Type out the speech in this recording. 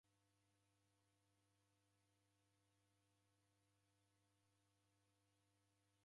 Iruwa jhikakaba sana jadalumisha chongo